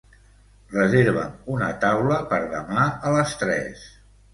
Reserva'm una taula per demà a les tres.